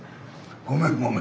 ごめんごめん。